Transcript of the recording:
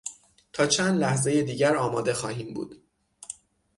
تا چند لحظهی دیگر آماده خواهیم بود.